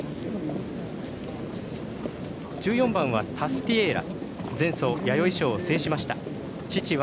１４番タスティエーラ。